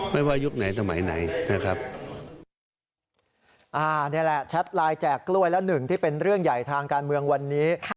ไม่ว่ายุคไหนสมัยไหนนะครับ